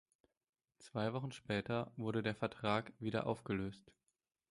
Zwei Wochen später wurde der Vertrag wieder aufgelöst.